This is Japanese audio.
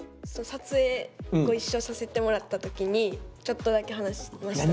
撮影ご一緒させてもらった時にちょっとだけ話しました。